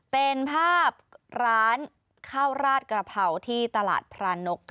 เป็นภาพร้านข้าวราดกระเพราที่ตลาดพรานก